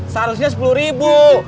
seharusnya sepuluh ribu